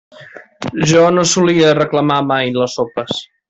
Jo no solia reclamar mai les sopes.